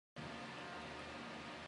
曾任职于台北县工务局工程队。